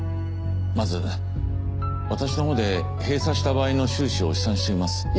まず私のほうで閉鎖した場合の収支を試算してみます。